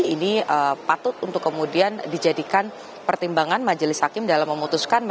ini patut untuk kemudian dijadikan pertimbangan majelis hakim dalam memutuskan